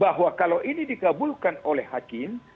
bahwa kalau ini dikabulkan oleh hakim